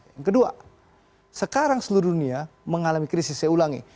yang kedua sekarang seluruh dunia mengalami krisis saya ulangi